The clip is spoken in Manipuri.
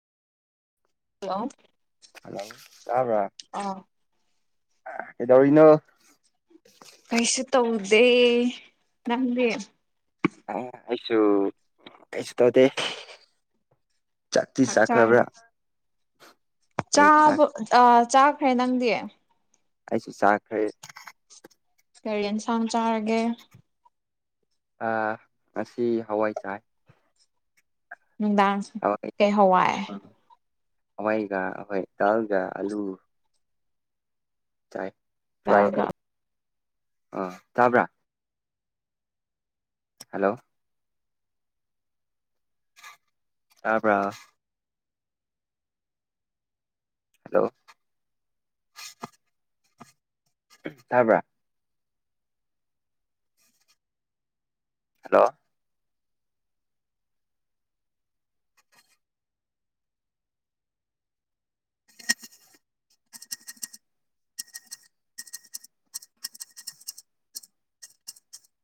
[unintelligible] ꯍꯜꯂꯣ ꯇꯥꯕ꯭ꯔꯥ ꯑꯥ ꯑꯥ ꯀꯩꯗꯧꯔꯤꯅꯣ ꯀꯩꯁꯨ ꯇꯧꯗꯦ ꯅꯪꯗꯤ ꯑꯥ ꯑꯩꯁꯨ ꯀꯩꯁꯨ ꯇꯧꯗꯦ ꯆꯥꯛꯇꯤ ꯑꯠꯆꯥ ꯆꯥꯈ꯭ꯔꯕ꯭ꯔꯥ ꯑꯩ ꯆꯥꯛ ꯆꯥꯕ ꯑꯥ ꯆꯥꯈ꯭ꯔꯦ ꯅꯪꯗꯤ ꯑꯩꯁꯨ ꯆꯥꯈ꯭ꯔꯦ ꯀꯔꯤ ꯏꯟꯁꯥꯡ ꯆꯥꯔꯒꯦ ꯑꯥ ꯉꯁꯤ ꯍꯋꯥꯏ ꯆꯥꯏ ꯅꯨꯡꯗꯥꯁ ꯍꯋꯥꯏ ꯀꯩ ꯍꯋꯥꯏ ꯍꯋꯥꯏꯒ ꯑꯩꯈꯣꯏ ꯗꯜꯒ ꯑꯥꯂꯨ ꯆꯥꯏ ꯄ꯭ꯔꯥꯏ ꯆꯥꯒ ꯑꯩ ꯑꯥ ꯇꯥꯕ꯭ꯔꯥ ꯍꯜꯂꯣ ꯇꯥꯕ꯭ꯔꯣ ꯍꯂꯣ ꯇꯥꯕ꯭ꯔꯥ ꯍꯜꯂꯣ